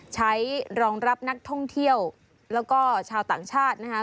ใช้รองรับนักท่องเที่ยวแล้วก็ชาวต่างชาตินะคะ